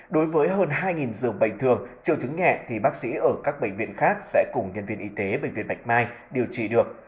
đối với hơn hai dường bệnh thường triệu chứng nhẹ thì bác sĩ ở các bệnh viện khác sẽ cùng nhân viên y tế bệnh viện bạch mai điều trị được